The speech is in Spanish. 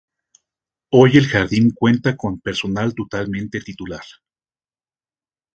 Hoy el jardín cuenta con su personal totalmente titular.